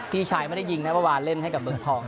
พี่ชายไม่ได้ยิงนะเมื่อวานเล่นให้กับเมืองทอง